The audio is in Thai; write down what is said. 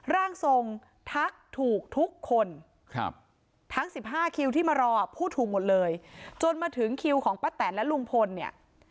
ร่างทรงทักถูกทุกคนทั้ง๑๕คิวที่มารอพูดถูกหมดเลยจนมาถึงคิวของป้าแตนและลุงพลเนี่ย